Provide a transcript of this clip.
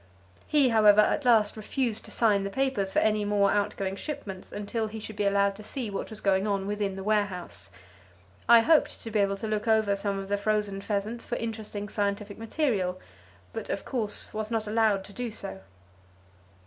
He, however, at last refused to sign the papers for any more [Page 201] outgoing shipments until he should be allowed to see what was going on within the warehouse. I hoped to be able to look over some of the frozen pheasants for interesting scientific material, but of course was not allowed to do so.